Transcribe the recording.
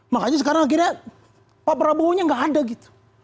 makanya sekarang akhirnya pak prabowo nya gak ada gitu